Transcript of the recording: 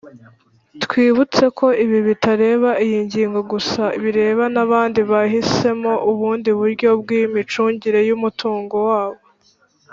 twibutse ko ibi bitareba iyi ngingo gusa bireba n’abandi bahisemo ubundi buryo bw’imicungire y’umutungo wabo.